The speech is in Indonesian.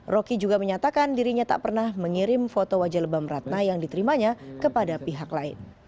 roky juga menyatakan dirinya tak pernah mengirim foto wajah lebam ratna yang diterimanya kepada pihak lain